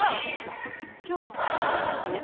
「今日の最高気温です。